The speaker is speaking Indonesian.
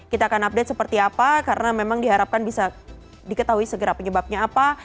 kita akan update seperti apa karena memang diharapkan bisa diketahui segera penyebabnya apa